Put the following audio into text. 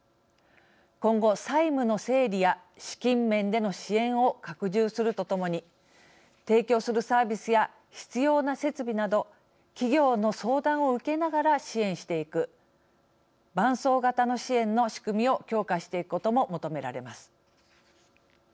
今後、債務の整理や資金面での支援を拡充するとともに提供するサービスや必要な設備など企業の相談を受けながら支援していく伴走型の支援の仕組みを強化していくことも求められます。